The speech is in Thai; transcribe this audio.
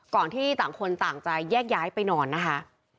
ที่ต่างคนต่างจะแยกย้ายไปนอนนะคะ